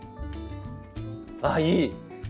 あっいい！